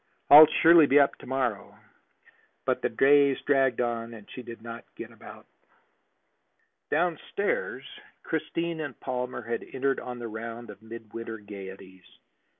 I'll surely be up to morrow!" But the days dragged on and she did not get about. Downstairs, Christine and Palmer had entered on the round of midwinter gayeties.